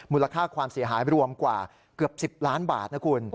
มูลค่าความเสียหายรวมกว่าเกือบ๑๐ล้านบาทนะคุณ